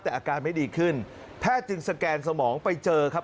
แต่อาการไม่ดีขึ้นแพทย์จึงสแกนสมองไปเจอครับ